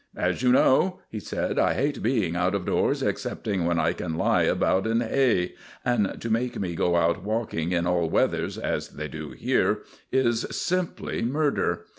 "As you know," he said, "I hate being out of doors excepting when I can lie about in hay. And to make me go out walking in all weathers, as they do here, is simply murder.